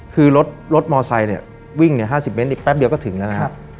คือรถมอไซค์เนี่ยวิ่ง๕๐เมตรอีกแป๊บเดียวก็ถึงแล้วนะครับ